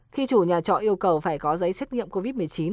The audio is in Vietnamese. khi chủ nhà trọ yêu cầu phải có giấy xét nghiệm covid một mươi chín